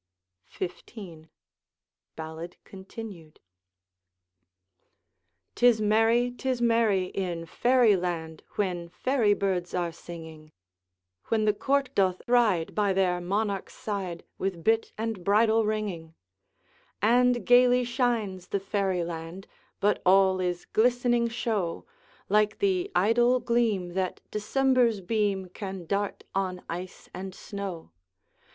XV. Ballad Continued. "Tis merry, 'tis merry, in Fairy land, When fairy birds are singing, When the court cloth ride by their monarch's side, With bit and bridle ringing: 'And gayly shines the Fairy land But all is glistening show, Like the idle gleam that December's beam Can dart on ice and snow.